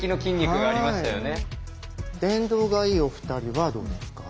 電動がいいお二人はどうですか？